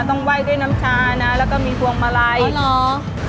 ไหว้ด้วยน้ำชานะแล้วก็มีพวงมาลัยนี่เหรอ